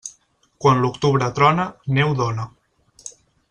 Quan l'octubre trona, neu dóna.